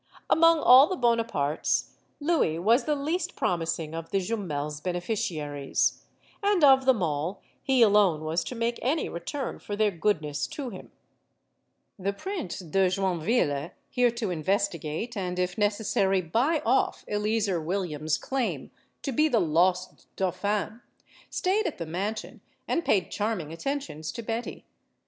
MADAME JUMEL 103 Among all the Bonapartes, Louis was the least promis ing of the Jumels' beneficiaries. And of them all, he alone was to make any return for their goodness to him. The Prince de Joinville here to investigate, and if necessary buy off, Eleazer Williams* claim to be the "lost Dauphin" stayed at the mansion and paid charming attentions to Betty.